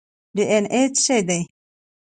ډي این اې څه شی دی؟